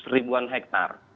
enam ratus ribuan hektar